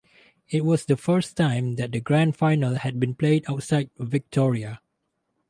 It was the first time that the Grand Final had been played outside Victoria.